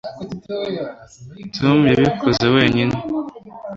tom yabikoze wenyine